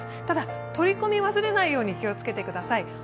ただ取り込み忘れないように気をつけてください。